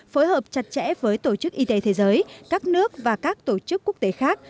phối hợp chặt chẽ với tổ chức y tế thế giới các nước và các tổ chức quốc tế khác